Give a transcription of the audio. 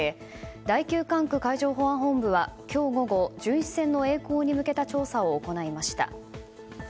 第９管区海上保安本部は今日午後巡視船のえい航に向けた調査を行いました。